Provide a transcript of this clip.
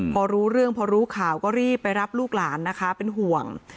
พอรู้เรื่องพอรู้ข่าวก็รีบไปรับลูกหลานนะคะเป็นห่วง